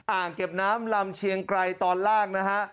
อ่างเก็บน้ำลำเชียงไกรตอนล่างนะฮะ